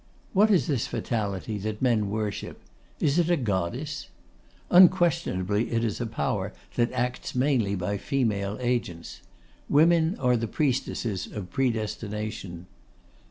What is this Fatality that men worship? Is it a Goddess? Unquestionably it is a power that acts mainly by female agents. Women are the Priestesses of Predestination.